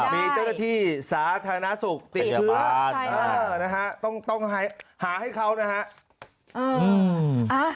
มีเจ้าหน้าที่สาธารณสุขติดเชื้อนะฮะต้องหาให้เขานะฮะ